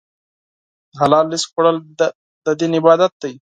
د حلال رزق خوړل د دین عبادت دی.